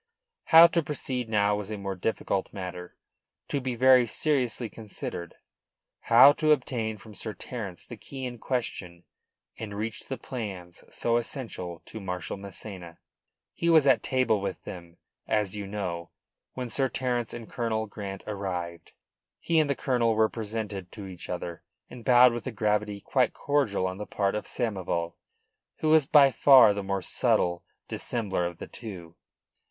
How to proceed now was a more difficult matter, to be very seriously considered how to obtain from Sir Terence the key in question, and reach the plans so essential to Marshal Massena. He was at table with them, as you know, when Sir Terence and Colonel Grant arrived. He and the colonel were presented to each other, and bowed with a gravity quite cordial on the part of Samoval, who was by far the more subtle dissembler of the two.